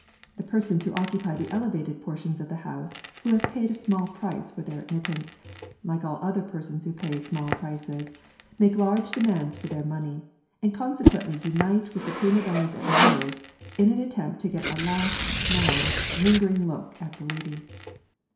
The persons who occupy the elevated portions of the house, who have paid a small price for their admittance, like all other persons who pay small prices, make large demands for their money, and consequently unite with the prima donna's admirers in an attempt to get a last, long, lingering look at the lady.